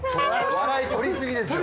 笑いとりすぎですよ。